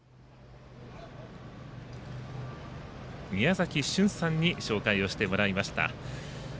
宮武さんに紹介してもらいました。